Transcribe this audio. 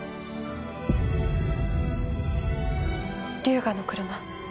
龍河の車。